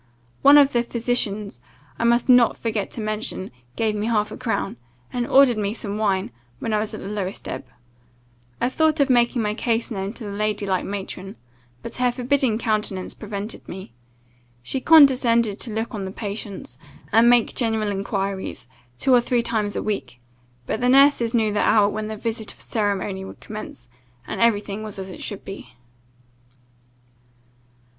One of the physicians, I must not forget to mention, gave me half a crown, and ordered me some wine, when I was at the lowest ebb. I thought of making my case known to the lady like matron; but her forbidding countenance prevented me. She condescended to look on the patients, and make general enquiries, two or three times a week; but the nurses knew the hour when the visit of ceremony would commence, and every thing was as it should be.